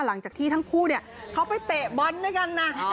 หลังจากที่ทั้งคู่เขาไปเตะบ้อนด์ด้วยกันนะ